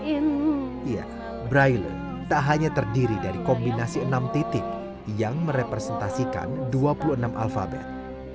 iya braille tak hanya terdiri dari kombinasi enam titik yang merepresentasikan dua puluh enam alphabet